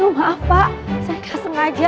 oh maaf pak saya gak sengaja